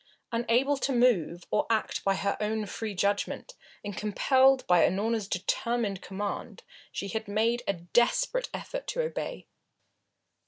Unable to move or act by her own free judgment, and compelled by Unorna's determined command, she had made a desperate effort to obey.